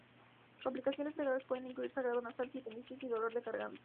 Complicaciones menores pueden incluir sangrado nasal, sinusitis y dolor de garganta.